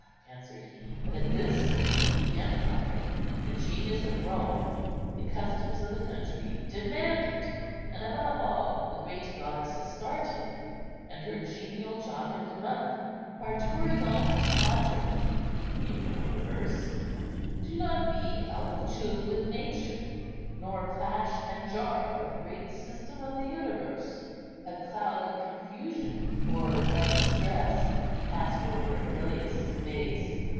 answered he, "but at this season the empire, the genius of Rome, the customs of the country, demand it, and above all the great goddess Astarte and her genial, jocund month. 'Parturit almus ager;' you know the verse; do not be out of tune with Nature, nor clash and jar with the great system of the universe." A cloud of confusion, or of distress, passed over Agellius's face.